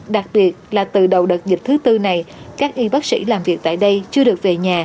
đặc biệt là từ đầu đợt dịch thứ tư này các y bác sĩ làm việc tại đây chưa được về nhà